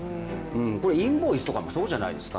これ、インボイスとかもそうじゃないですか。